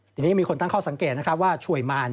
ทีนี้มีคนตั้งข้อสังเกตนะครับว่าช่วยมาร